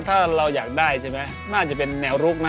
ถ้าเราอยากได้ใช่ไหมน่าจะเป็นแนวรุกนะ